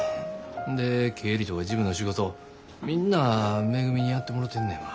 で経理とか事務の仕事みんなめぐみにやってもろてんねんわ。